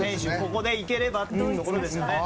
ここで行ければというところですかね。